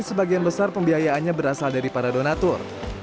sebagian besar pembiayaannya berasal dari para donatur